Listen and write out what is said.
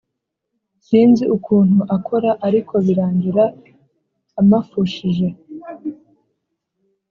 sinzi ukuntu akora ariko birangira amafushije